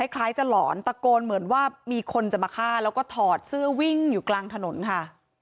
คล้ายจะหลอนตะโกนเหมือนว่ามีคนจะมาฆ่าแล้วก็ถอดเสื้อวิ่งอยู่กลางถนนค่ะ